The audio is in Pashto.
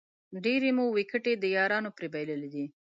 ډېرې مو وېکټې د یارانو پرې بایللې دي